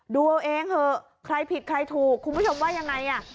ดูเอาเองเถอะใครผิดใครถูกคุณผู้ชมว่ายังไงอ่ะ